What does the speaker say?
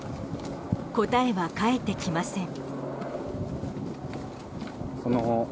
答えは返ってきません。